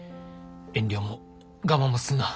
遠慮も我慢もするな。